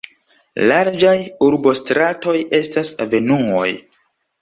Larĝaj urbostratoj estas avenuoj.